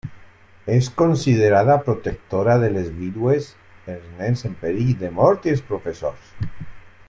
És considerada protectora de les vídues, els nens en perill de mort i els professors.